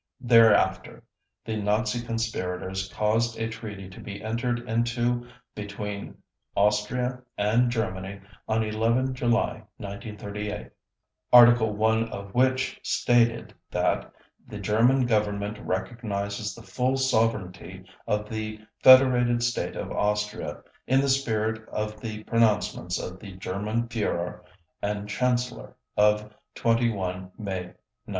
Thereafter, the Nazi conspirators caused a treaty to be entered into between Austria and Germany on 11 July 1936, Article 1 of which stated that "The German Government recognizes the full sovereignty of the Federated State of Austria in the spirit of the pronouncements of the German Führer and Chancellor of 21 May 1935."